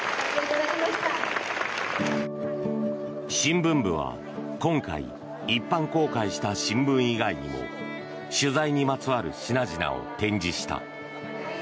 新聞部は今回一般公開した新聞以外にも取材にまつわる品々を展示した。